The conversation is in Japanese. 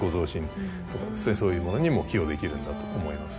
そういうものにも寄与できるんだと思います。